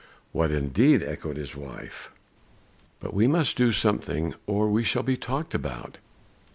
"What indeed?" echoed his wife. "But we must do something or we shall be talked about.